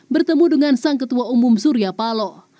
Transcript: bertemu dengan sang ketua umum surya paloh